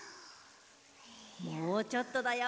もうちょっとだよ。